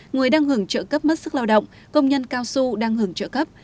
người đang hưởng trợ cấp mất sức lao động công nhân cao su đang hưởng trợ cấp